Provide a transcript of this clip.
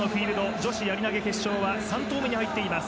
女子やり投げ決勝は３投目に入っています。